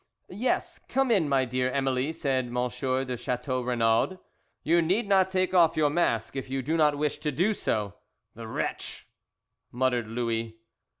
"Yes, come in, my dear Emily," said M. de Chateau Renaud, "you need not take off your mask if you do not wish to do so." "The wretch," muttered Louis.